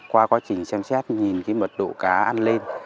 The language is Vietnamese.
qua quá trình xem xét nhìn cái mật độ cá ăn lên